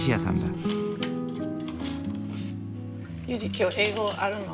今日英語あるの？